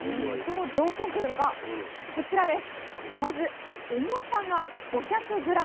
その条件というのがこちらです。